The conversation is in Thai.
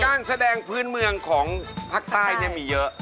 การแสดงพื้นเมืองของภาคใต้มีเยอะ